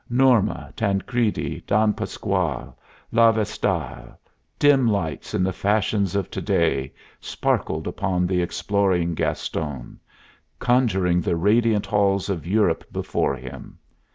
Norma, Tancredi, Don Pasquale, La Vestale, dim lights in the fashions of to day, sparkled upon the exploring Gaston, conjuring the radiant halls of Europe before him.